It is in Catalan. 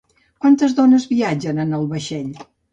Quantes dones viatgen en el vaixell?